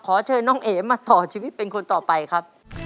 กรุงเทพค่ะ